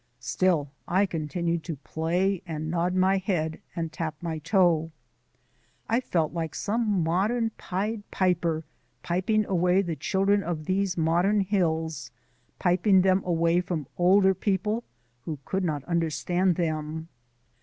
Still I continued to play and nod my head and tap my toe. I felt like some modern Pied Piper piping away the children of these modern hills piping them away from older people who could not understand them.